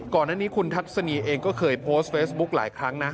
ก่อนหน้านี้คุณทัศนีเองก็เคยโพสต์เฟซบุ๊คหลายครั้งนะ